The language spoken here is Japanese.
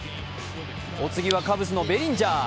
お次はカブスのベリンジャー。